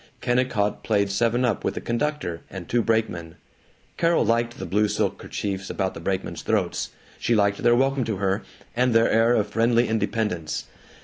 Kennicott played seven up with the conductor and two brakemen. Carol liked the blue silk kerchiefs about the brakemen's throats; she liked their welcome to her, and their air of friendly independence.